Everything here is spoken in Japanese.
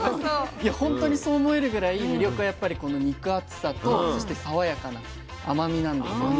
いや本当にそう思えるぐらい魅力はやっぱりこの肉厚さと爽やかな甘みなんですよね。